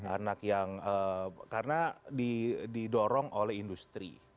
anak yang karena didorong oleh industri